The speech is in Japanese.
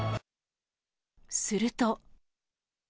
すると。